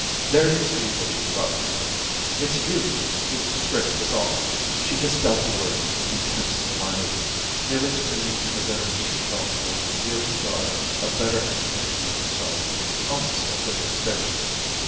There you see what you've brought her to; it's you who's disgraced us all!' She hissed out the words with intense malignity, nearly screaming in the bitter* ness she felt towards the beautiful daughter of better education than herself, almost of different station.